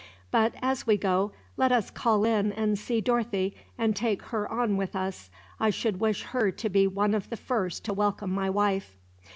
"But as we go, let us call in and see Dorothy, and take her on with us. I should wish her to be one of the first to welcome my wife."